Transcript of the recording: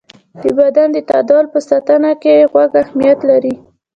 د بدن د تعادل په ساتنه کې غوږ اهمیت لري.